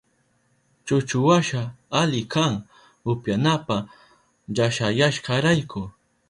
Chuchuwasha ali kan upyanapa llashayashkarayku.